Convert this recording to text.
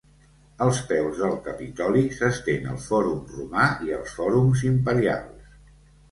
Als peus del Capitoli s'estén el Fòrum Romà i els Fòrums Imperials.